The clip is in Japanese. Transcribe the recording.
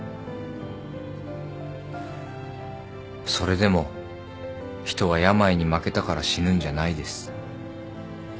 それでも人は病に負けたから死ぬんじゃないです。